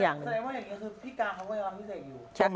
แสดงว่าอย่างนี้คือพี่การเขาก็อยู่ห้องนี้เสกอยู่